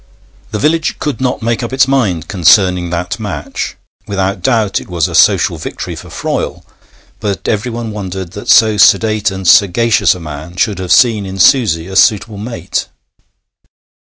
The village could not make up its mind concerning that match; without doubt it was a social victory for Froyle, but everyone wondered that so sedate and sagacious a man should have seen in Susie a suitable mate.